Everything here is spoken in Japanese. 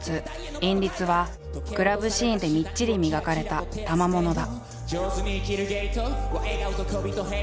「韻律」はクラブシーンでみっちり磨かれた賜物だ。